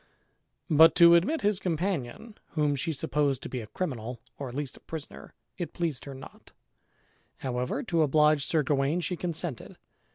But to admit his companion, whom she supposed to be a criminal, or at least a prisoner, it pleased her not; however, to oblige Sir Gawain, she consented.